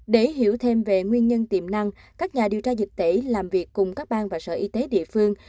để hiểu thêm về nguyên nhân tiềm năng các nhà điều tra dịch tễ làm việc cùng các bang và sở y tế địa phương